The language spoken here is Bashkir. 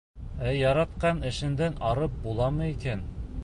— Ә яратҡан эшеңдән арып буламы икән?